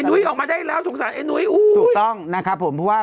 นุ้ยออกมาได้แล้วสงสารไอ้นุ้ยถูกต้องนะครับผมเพราะว่า